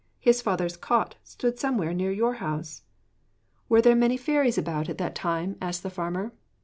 His father's cot stood somewhere near your house.' 'Were there many fairies about at that time?' asked the farmer.